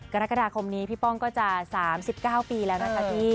กรกฎาคมนี้พี่ป้องก็จะ๓๙ปีแล้วนะคะพี่